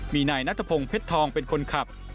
มีนายนัทพงศ์เพชรทองเป็นคนขับ